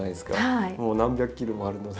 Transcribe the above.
もう何百キロもあるので。